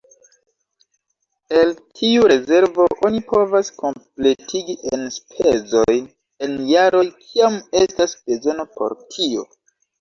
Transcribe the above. El tiu rezervo oni povas kompletigi enspezojn en jaroj, kiam estas bezono por tio.